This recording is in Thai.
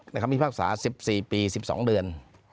คำพิพากษา๑๔ปี๑๒เดือน